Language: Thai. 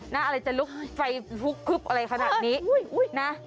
อะไรจะลุกไฟลุกคึบอะไรขนาดนี้นะ